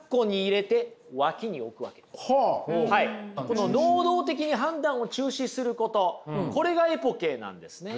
この能動的に判断を中止することこれがエポケーなんですね。